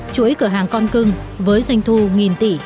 chuỗi cửa hàng con cưng với doanh thu nghìn tỷ